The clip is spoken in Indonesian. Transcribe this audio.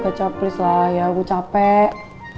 kecap please lah ya gue capek